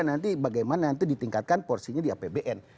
nanti bagaimana nanti ditingkatkan porsinya di apbn